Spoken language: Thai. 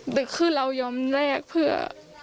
เด็กขึ้นเรายอมแรกเพื่อ